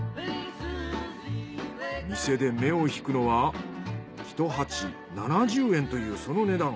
店で目を引くのは１鉢７０円というその値段。